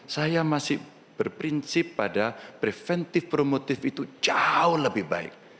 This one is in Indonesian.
saya masih berprinsip pada preventif promotif itu jauh lebih baik